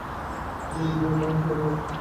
আমি নিজেও এখান সেখানে যাচ্ছি।